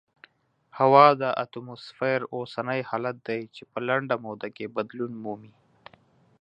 هوا د اتموسفیر اوسنی حالت دی چې په لنډه موده کې بدلون مومي.